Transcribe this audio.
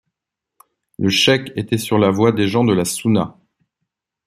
Le Chaykh était sur la voie des gens de la Sounnah.